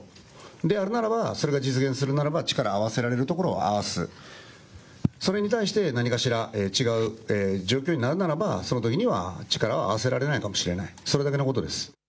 であるならば、それが実現するならば、力合わせられるところは合わす、それに対して何かしら違う状況になるならば、そのときには力は合わせられないかもしれない、それだけのことです。